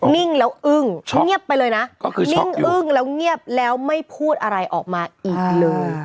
นิ่งแล้วอึ้งเงียบไปเลยนะนิ่งอึ้งแล้วเงียบแล้วไม่พูดอะไรออกมาอีกเลย